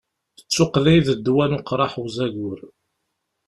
D tuqqda i d ddwa n uqraḥ n uzagur.